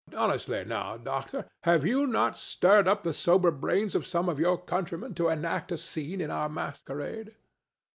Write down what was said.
Honestly, now, doctor, have you not stirred up the sober brains of some of your countrymen to enact a scene in our masquerade?"